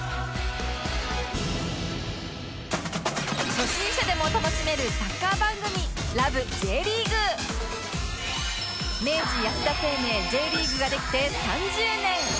初心者でも楽しめるサッカー番組明治安田生命 Ｊ リーグができて３０年！